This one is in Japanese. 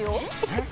「えっ？」